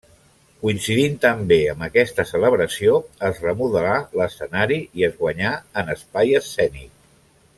Coincidint també amb aquesta celebració es remodelà l’escenari i es guanyà en espai escènic.